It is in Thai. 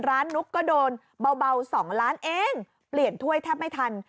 นุ๊กก็โดนเบา๒ล้านเองเปลี่ยนถ้วยแทบไม่ทัน